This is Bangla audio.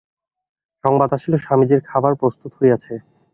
সংবাদ আসিল, স্বামীজীর খাবার প্রস্তুত হইয়াছে।